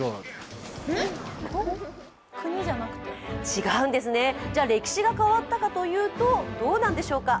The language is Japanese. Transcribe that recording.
違うんですね、じゃ歴史が変わったかというと、どうなんでしょうか。